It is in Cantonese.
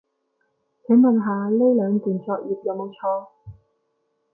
請問下呢兩段作業有冇錯